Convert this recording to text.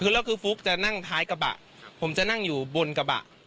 คือแล้วคือฟุ๊กจะนั่งท้ายกระบะผมจะนั่งอยู่บนกระบะ